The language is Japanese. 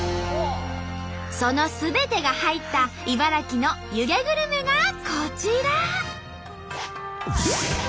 そのすべてが入った茨城の湯気グルメがこちら。